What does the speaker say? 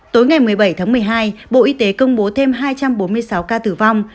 tối ngày một mươi bảy tháng một mươi hai bộ y tế công bố thêm hai trăm bốn mươi sáu ca tử vong